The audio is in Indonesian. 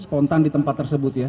spontan di tempat tersebut ya